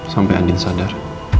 sampai adin sadar